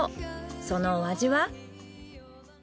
そのお味は？